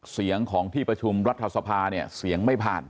เสียงของที่ประชุมรัฐสภาเนี่ยเสียงไม่ผ่าน